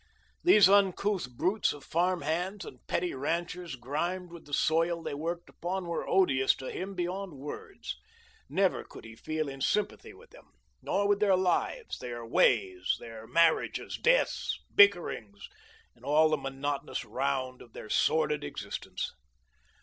These uncouth brutes of farmhands and petty ranchers, grimed with the soil they worked upon, were odious to him beyond words. Never could he feel in sympathy with them, nor with their lives, their ways, their marriages, deaths, bickerings, and all the monotonous round of their sordid existence.